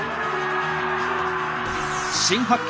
新発見！